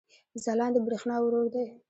ځلاند د برېښنا ورور دی